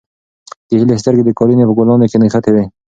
د هیلې سترګې د قالینې په ګلانو کې نښتې وې.